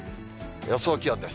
予想気温です。